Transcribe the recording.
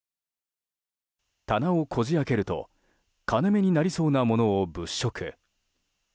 棚をこじ開けると金目になりそうなものを物色。